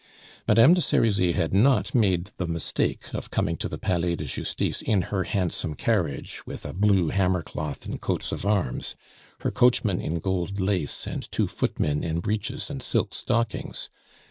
Madame de Serizy had not made the mistake of coming to the Palais de Justice in her handsome carriage with a blue hammer cloth and coats of arms, her coachman in gold lace, and two footmen in breeches and silk stockings.